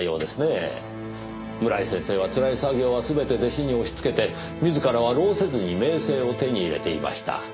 村井先生はつらい作業は全て弟子に押しつけて自らは労せずに名声を手に入れていました。